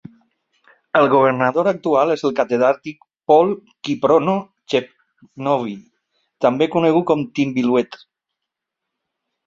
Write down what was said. El governador actual és el Catedràtic Paul Kiprono Chepkwony, també conegut com a "Timbilwet".